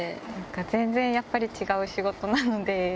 全然やっぱり違う仕事なので。